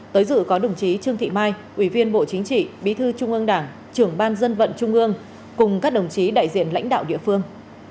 tới dự có đồng chí trương thị mai ủy viên bộ chính trị bí thư trung ương đảng trưởng ban dân vận trung ương cùng các đồng chí đại diện lãnh đạo địa phương